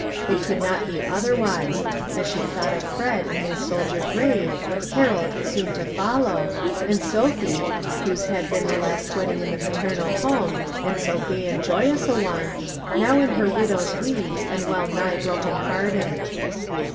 It could not be otherwise, as she thought of Fred in his soldier grave, Harold soon to follow, and Sophie whose had been the last wedding in the paternal home, and so gay and joyous a one now in her widow's weeds and well nigh broken hearted.